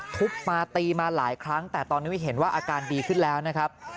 ทุบมาตีมาหลายครั้งแต่ตอนนี้เห็นว่าอาการดีขึ้นแล้วนะครับ